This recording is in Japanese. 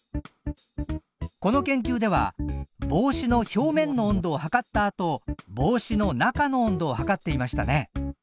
この研究では帽子の表面の温度を測ったあと帽子の中の温度を測っていましたね。